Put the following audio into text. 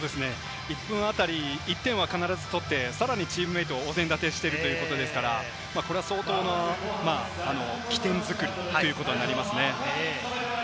１分あたり１点は必ず取って、さらにチームメートをお膳立てしているということですから、相当な起点作りということになりますね。